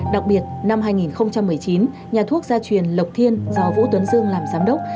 đặc biệt năm hai nghìn một mươi chín nhà thuốc gia truyền lộc thiên do vũ tuấn dương làm giám đốc